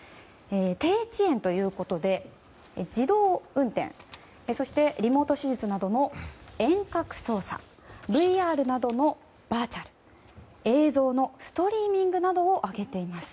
低遅延ということで、自動運転そしてリモート手術などの遠隔操作ＶＲなどのバーチャル映像のストリーミングなどを挙げています。